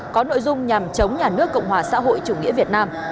có nội dung nhằm chống nhà nước cộng hòa xã hội chủ nghĩa việt nam